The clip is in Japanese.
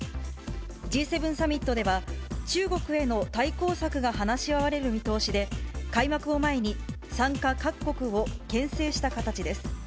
Ｇ７サミットでは、中国への対抗策が話し合われる見通しで、開幕を前に、参加各国をけん制した形です。